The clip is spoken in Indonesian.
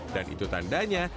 dan itu tandanya